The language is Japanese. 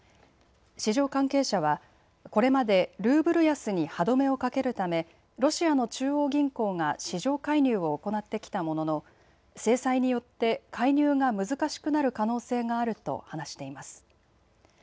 市場関係者はこれまでルーブル安に歯止めをかけるためロシアの中央銀行が市場介入を行ってきたものの制裁によって介入が難しくなる可能性があると話しています。